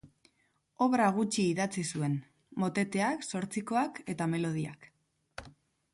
Obra gutxi idatzi zuen: moteteak, zortzikoak eta melodiak.